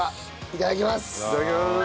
いただきます。